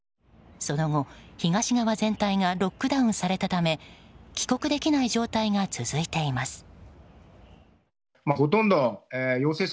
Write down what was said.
その後、東側全体がロックダウンされたため帰国できない状態が続いています。